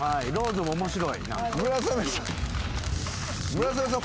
村雨さん